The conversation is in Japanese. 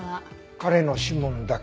彼の指紋だけ。